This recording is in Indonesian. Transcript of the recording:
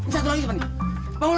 satu lagi pak nangol